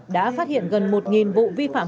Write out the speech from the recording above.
đã phát hiện gần một vụ vi phạm